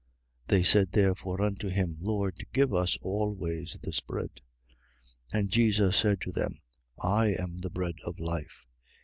6:34. They said therefore unto him: Lord, give us always this bread. 6:35. And Jesus said to them: I am the bread of life.